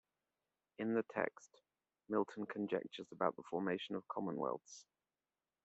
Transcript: In the text, Milton conjectures about the formation of commonwealths.